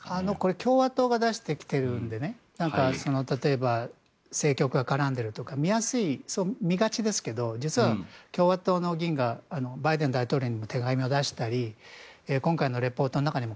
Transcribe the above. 共和党が出してきているので例えば政局が絡んでるというふうに見がちですけど実は、共和党の議員がバイデン大統領に手紙を出したり今回のレポートの中にも